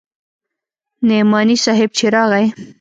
نعماني صاحب چې راغى.